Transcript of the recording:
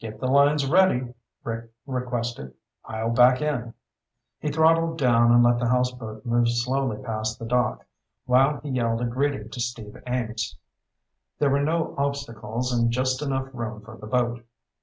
"Get the lines ready," Rick requested. "I'll back in." He throttled down and let the houseboat move slowly past the dock while he yelled a greeting to Steve Ames. There were no obstacles, and just enough room for the boat.